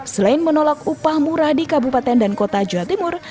selain menolak upah murah di kabupaten dan kota jawa timur